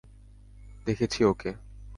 আমি দেখেছি ওকে।